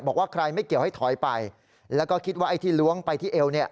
บอกว่าใครไม่เกี่ยวให้ถอยไปแล้วก็คิดว่าไอ้ที่ล้วงไปที่เอวเนี่ย